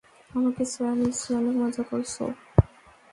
আমাকে ছাড়া নিশ্চয়ই অনেক মজা করছো।